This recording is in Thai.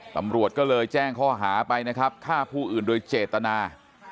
ตำรวจก็เลยแจ้งข้อหาไปนะครับฆ่าผู้อื่นโดยเจตนา